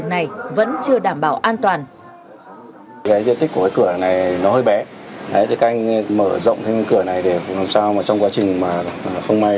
các vật dụng làm cản trở với việc thiết tạm của cửa thoát nạn này